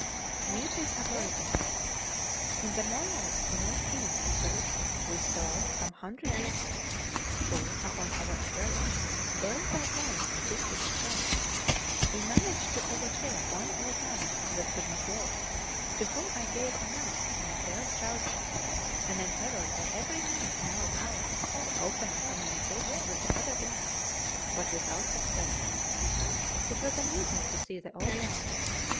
Meet with Aborigines. In the morass to north east of the river we saw some 100 natives, who, upon our approach, burnt their camps and took to the scrub. We managed to overtake one old man that could not walk, to whom I gave a knife and a pair of trousers, and endeavoured by every means in our power to open a communication with the other blacks, but without success. It was amusing to see the old man.